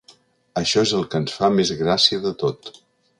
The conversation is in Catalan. Això és el que ens fa més gràcia de tot.